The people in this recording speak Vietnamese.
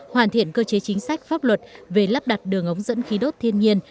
hoàn thiện cơ chế chính sách pháp luật về lắp đặt đường ống dẫn khí đốt thiên nhiên